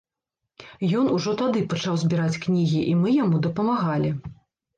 Ён ужо тады пачаў збіраць кнігі, і мы яму дапамагалі.